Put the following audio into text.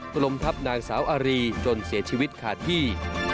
ลมทับนางสาวอารีจนเสียชีวิตขาดที่